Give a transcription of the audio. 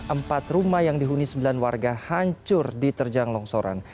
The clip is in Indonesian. empat rumah yang dihuni sembilan warga hancur diterjang longsoran